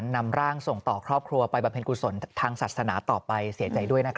น่าโอเคเลย